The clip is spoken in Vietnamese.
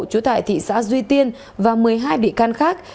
chủ tại thị xã duy tiên và một mươi hai bị can khác